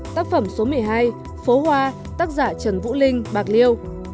tác phẩm số một mươi hai phố hoa tác giả trần vũ linh bạc liêu